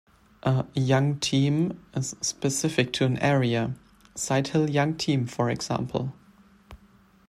A "Young Team" is specific to an area: "Sighthill Young Team", for example.